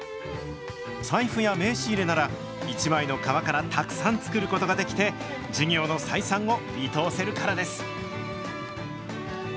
財布や名刺入れなら、一枚の革からたくさん作ることができて、事業の採算を見通せるからです。